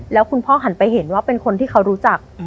แล้วคุณพ่อหันไปเห็นว่าเป็นคนที่เขารู้จัก